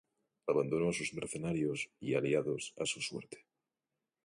Abandonó a sus mercenarios y aliados a su suerte.